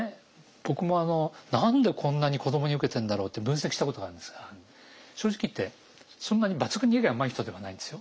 僕も「何でこんなに子どもにウケてんだろう」って分析したことがあるんですが正直言ってそんなに抜群に絵がうまい人ではないんですよ。